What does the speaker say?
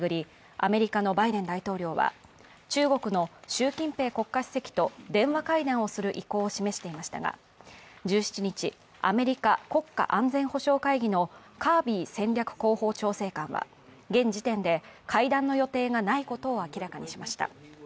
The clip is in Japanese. アメリカのバイデン大統領は中国の習近平国家主席と電話会談をする意向を示していましたが１７日、アメリカ国家安全保障会議のカービー戦略広報調整官は、現時点で会談の予定がないことを明らかにしました。